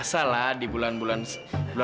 di sini ada saran lain juga